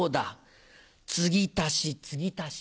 つぎ足しつぎ足し。